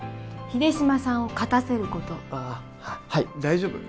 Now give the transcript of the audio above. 秀島さんを勝たせることああはい大丈夫？